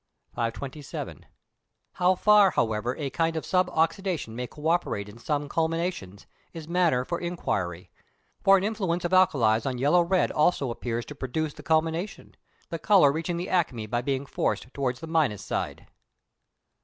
527. How far, however, a kind of sub oxydation may co operate in some culminations, is matter for inquiry; for an influence of alkalis on yellow red also appears to produce the culmination; the colour reaching the acme by being forced towards the minus side.